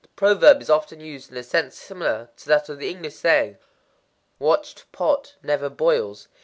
The proverb is often used in a sense similar to that of the English saying: "Watched pot never boils."